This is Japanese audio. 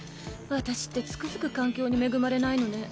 私ってつくづく環境に恵まれないのね。